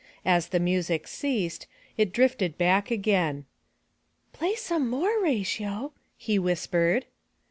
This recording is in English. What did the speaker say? As the music ceased, it drifted back again. "Play some more, Ratio,'' he whispered.